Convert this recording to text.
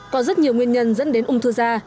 có rất nhiều nguyên nhân dẫn đến ung thư da